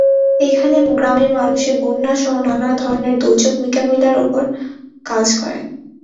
এখানে গ্রামের মানুষের বন্যাসহ নানা ধরনের দুর্যোগ মোকাবিলার ওপর কাজ করেন।